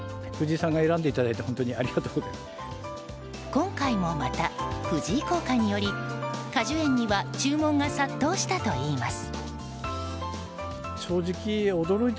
今回もまた藤井効果により果樹園には注文が殺到したといいます。